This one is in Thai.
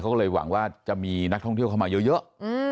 เขาก็เลยหวังว่าจะมีนักท่องเที่ยวเข้ามาเยอะ